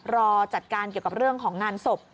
รอจัดการเกี่ยวกับเรื่องของงานศพ